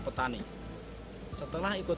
petani setelah ikut